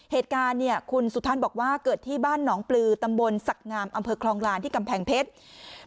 เหตุการณ์เนี่ยคุณสุทัศน์บอกว่าเกิดที่บ้านหนองปลือตำบลศักดิ์งามอำเภอคลองลานที่กำแพงเพชร